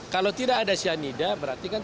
kalau tidak ada cyanida berarti kan